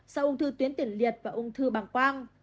sau ung thư tuyến tiền liệt và ung thư bằng quang